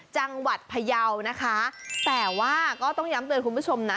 จังหวัดพยาวนะคะแต่ว่าก็ต้องย้ำเตือนคุณผู้ชมนะ